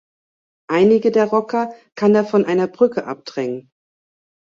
Einige der Rocker kann er von einer Brücke abdrängen.